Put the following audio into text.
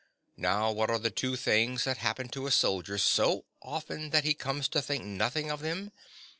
Now what are the two things that happen to a soldier so often that he comes to think nothing of them?